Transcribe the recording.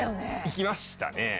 行きましたね。